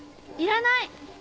いらない！